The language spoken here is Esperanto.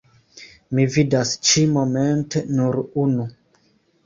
Mi vidas ĉi-momente nur unu.